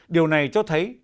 điều này cho thấy